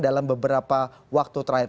dalam beberapa waktu terakhir